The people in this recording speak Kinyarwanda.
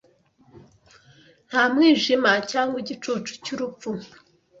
Nta mwijima, cyangwa igicucu cy’urupfu